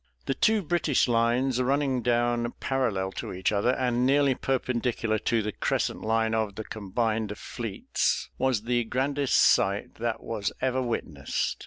The two British lines running down parallel to each other, and nearly perpendicular to the crescent line of the combined fleets, was the grandest sight that was ever witnessed.